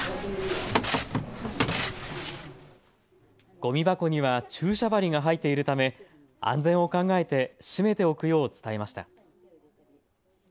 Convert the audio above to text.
ごみ箱には注射針が入っているため安全を考えて閉めておくよう伝えました。